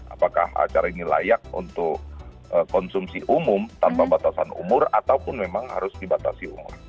apakah acara ini layak untuk konsumsi umum tanpa batasan umur ataupun memang harus dibatasi umur